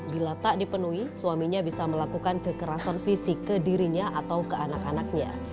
bila tak dipenuhi suaminya bisa melakukan kekerasan fisik ke dirinya atau ke anak anaknya